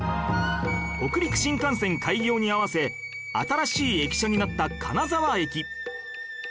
北陸新幹線開業に合わせ新しい駅舎になった金沢駅